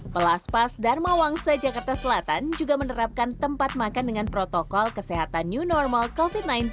pelas pas dharma wangsa jakarta selatan juga menerapkan tempat makan dengan protokol kesehatan new normal covid sembilan belas